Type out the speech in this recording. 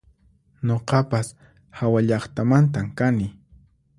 Nuqapas hawallaqtamantan kani